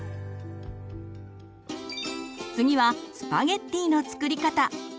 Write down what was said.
次はスパゲッティの作り方。